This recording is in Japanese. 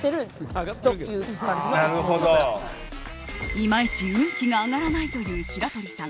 いまいち運気が上がらないという白鳥さん。